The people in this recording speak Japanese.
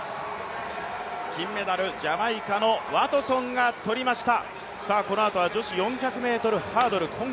金メダル、ジャマイカのワトソンが取りました。